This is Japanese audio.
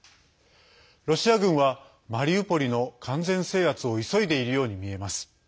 ロシア軍はマリウポリの完全制圧を急いでいるように見えます。